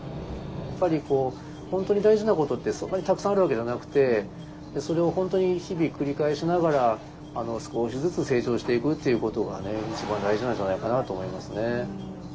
やっぱり本当に大事なことってそんなにたくさんあるわけじゃなくてそれを本当に日々繰り返しながら少しずつ成長していくっていうことが一番大事なんじゃないかなと思いますね。